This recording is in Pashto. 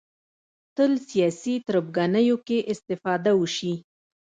تل سیاسي تربګنیو کې استفاده وشي